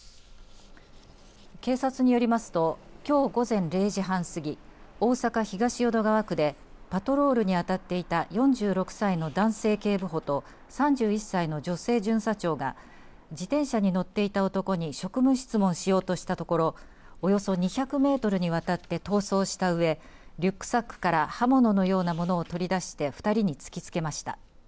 警察によりますときょう午前０時半過ぎ大阪東淀川区でパトロールに当たっていた４６歳の男性警部補と３１歳の女性巡査長が自転車に乗っていた男に職務質問しようとしたところおよそ２００メートルにわたって逃走したうえリュックサックから刃物のようなもの取り出して２人に突き付けました。